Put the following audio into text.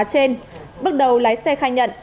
trên bước đầu lái xe khai nhận